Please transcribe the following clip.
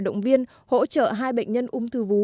động viên hỗ trợ hai bệnh nhân ung thư vú